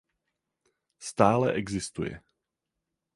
Stále existuje.